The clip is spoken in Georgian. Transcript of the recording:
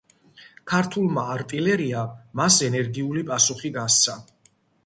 ქართულმა არტილერიამ მას ენერგიული პასუხი გასცა.